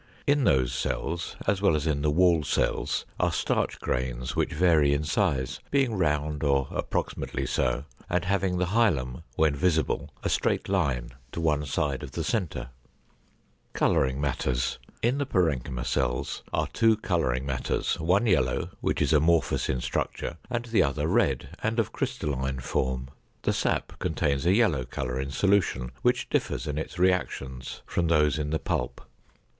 In those cells, as well as in the wall cells, are starch grains which vary in size, being round or approximately so, and having the hilum, when visible, a straight line to one side of the center. =Coloring Matters.= In the parenchyma cells are two coloring matters, one yellow, which is amorphous in structure, and the other red and of crystalline form. The sap contains a yellow color in solution which differs in its reactions from those in the pulp.